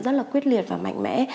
rất là quyết liệt và mạnh mẽ